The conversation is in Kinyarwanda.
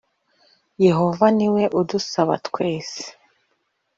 Yehova ni we udusaba twese